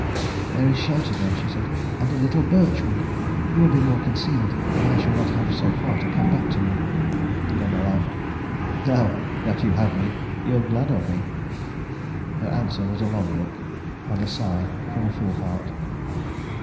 "There is a shelter there," she said, "and a little birch wood. You will be more concealed, and I shall not have so far to come back to you." Gunnar laughed. "Now that you have me, you are glad of me." Her answer was a long look, and a sigh from a full heart.